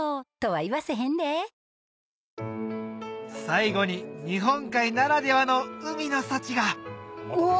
最後に日本海ならではの海の幸がうわ！